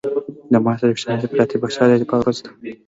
د مارچ درویشتمه د افراطي پاچا د دفاع ورځ ده.